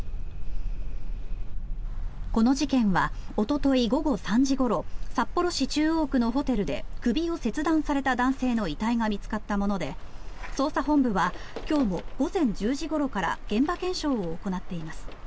この事件はおととい午後３時ごろ札幌市中央区のホテルで首を切断された男性の遺体が見つかったもので捜査本部は今日も午前１０時ごろから現場検証を行っています。